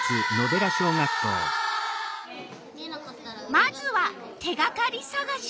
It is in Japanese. まずは手がかりさがし。